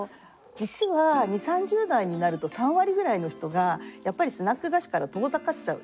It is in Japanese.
実は２０３０代になると３割ぐらいの人がやっぱりスナック菓子から遠ざかっちゃう。